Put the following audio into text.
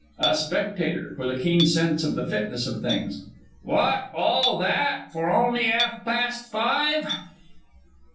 _ A SPECTATOR (with a keen sense of the fitness of things). What all that for on'y 'alf past five!